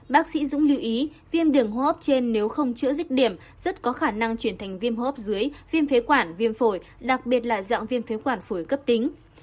bác sĩ dũng lưu ý viêm đường hô hấp trên nếu không chữa dịch điểm rất có khả năng chuyển thành viêm hô hấp dưới viêm phế quản viêm phổi đặc biệt là dọng viêm phế quản phổi cấp tính